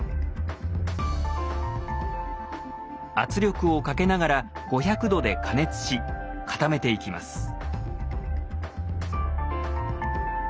圧力をかけながら５００度で加熱し固めていきます。